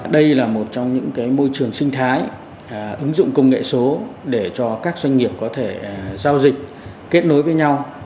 đây là một trong những môi trường sinh thái ứng dụng công nghệ số để cho các doanh nghiệp có thể giao dịch kết nối với nhau